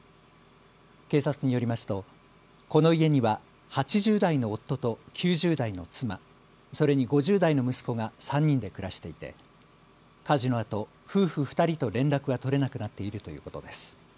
警察によりますとこの家には８０代の夫と９０代の妻、それに５０代の息子が３人で暮らしていて火事のあと夫婦２人と連絡が取れなくなっているということです。